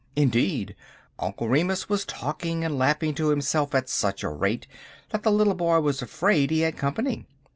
Indeed, Uncle Remus was talking and laughing to himself at such a rate that the little boy was afraid he had company.